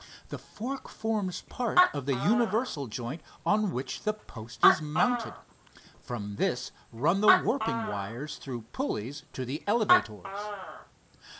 The fork forms part of the universal joint on which the post is mounted. From this run the warping wires through pulleys to the elevators."